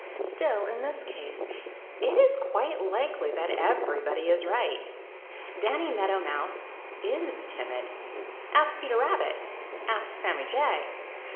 Still, in this case, it is quite likely that everybody is right. Danny Meadow Mouse is timid. Ask Peter Rabbit. Ask Sammy Jay.